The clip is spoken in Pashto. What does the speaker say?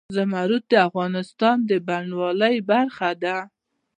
زمرد د افغانستان د بڼوالۍ برخه ده.